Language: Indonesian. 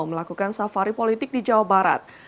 melakukan safari politik di jawa barat